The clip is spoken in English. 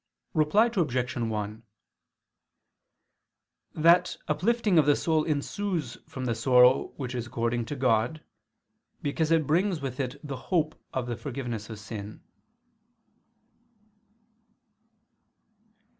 Reply Obj. 1: That uplifting of the soul ensues from the sorrow which is according to God, because it brings with it the hope of the forgiveness of sin.